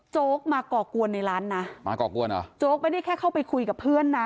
มาก่อกวนในร้านนะมาก่อกวนเหรอโจ๊กไม่ได้แค่เข้าไปคุยกับเพื่อนนะ